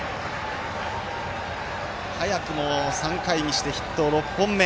早くも３回にしてヒット６本目。